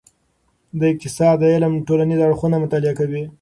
د اقتصاد علم ټولنیز اړخونه مطالعه کوي.